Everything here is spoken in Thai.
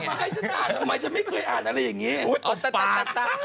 มาให้ฉันอ่านทำไมฉันไม่เคยอ่านอะไรอย่างนี้ตบตา